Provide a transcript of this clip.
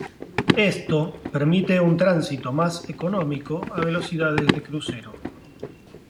Esto permite un tránsito más económico a velocidades de crucero.